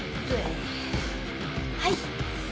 はい。